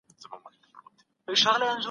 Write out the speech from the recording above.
د شیکسپیر په اړه نوې څېړنې روانې دي.